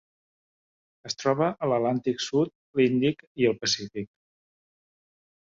Es troba a l'Atlàntic sud, l'Índic i el Pacífic.